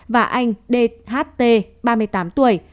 và anh dht ba mươi tám tuổi